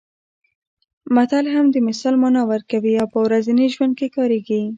متل هم د مثال مانا ورکوي او په ورځني ژوند کې کارېږي